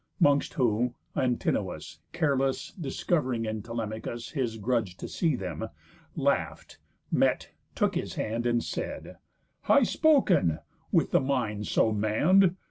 'Mongst whom, Antinous Careless, discov'ring in Telemachus His grudge to see them, laugh'd, met, took his hand, And said: "High spoken, with the mind so mann'd!